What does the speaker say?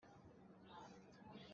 Na nupi na mak awk a si lo.